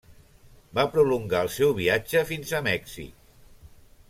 Va prolongar el seu viatge fins a Mèxic.